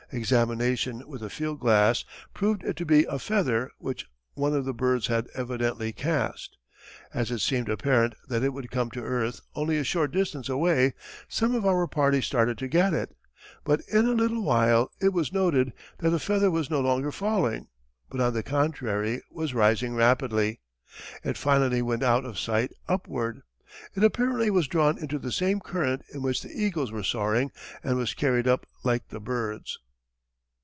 Examination with a field glass proved it to be a feather which one of the birds had evidently cast. As it seemed apparent that it would come to earth only a short distance away, some of our party started to get it. But in a little while it was noted that the feather was no longer falling, but on the contrary was rising rapidly. It finally went out of sight upward. It apparently was drawn into the same current in which the eagles were soaring and was carried up like the birds.